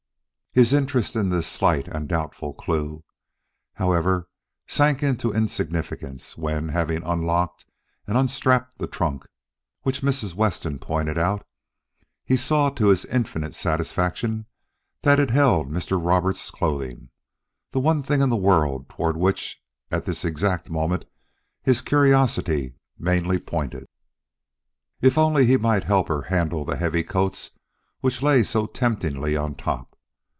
_ His interest in this slight and doubtful clue, however, sank into insignificance when, having unlocked and unstrapped the trunk which Mrs. Weston pointed out, he saw to his infinite satisfaction that it held Mr. Roberts' clothing the one thing in the world toward which at this exact moment his curiosity mainly pointed. If only he might help her handle the heavy coats which lay so temptingly on top!